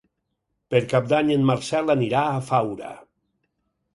Per Cap d'Any en Marcel anirà a Faura.